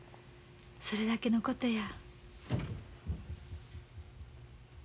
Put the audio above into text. それだけのことや。